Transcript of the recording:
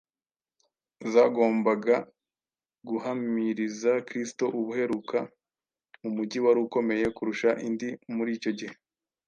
zagombaga guhamiriza Kristo ubuheruka mu mujyi wari ukomeye kurusha indi muri icyo gihe,